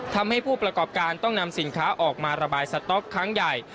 ทำให้ผู้ประกอบการต้องนำสินค้าออกมาระบายสต๊อกครั้งใหญ่